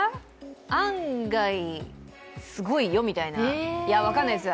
案外、すごいよみたいな、いや、分かんないです。